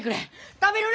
食べるな！